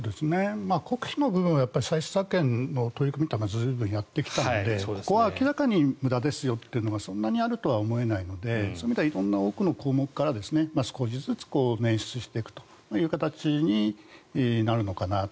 国費の部分は歳出削減の取り組みは随分やってきたのでここは明らかに無駄ですというのはそんなにあるとは思えないので多くの項目から少しずつ捻出していくという形になるのかなと。